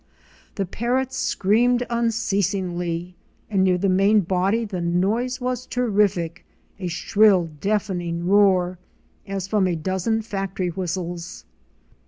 The Parrots screamed unceasingly and near the main body the noise was terrific —a shrill deafening roar, as from a dozen factory whistles.